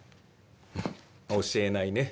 教えないね。